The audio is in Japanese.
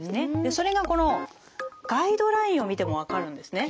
それがこのガイドラインを見ても分かるんですね。